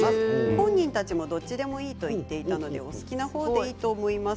本人たちも、どっちでもいいと言っていたのでお好きなほうでいいと思います